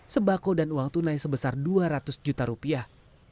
sebako dan uang tunai sebesar dua ratus juta rupiah